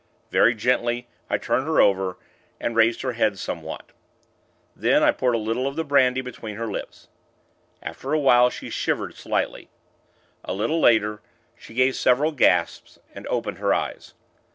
Very gently, I turned her over, and raised her head somewhat. Then, I poured a little of the brandy between her lips. After a while, she shivered slightly. A little later, she gave several gasps, and opened her eyes.